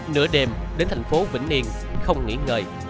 nửa đêm đến thành phố vĩnh yên không nghỉ ngơi